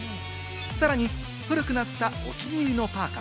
さらに古くなったお気に入りのパーカ。